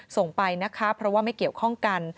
ส่งไปนะคะเพราะว่าไม่เกี่ยวข้องกัน